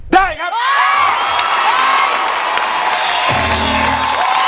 ได้ครับ